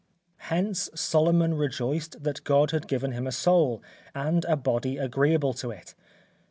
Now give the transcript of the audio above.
Hence Solomon rejoiced that God had given him a soul, and a body agreeable to it.